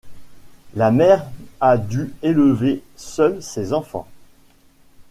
La mère a dû élever seule ses enfants.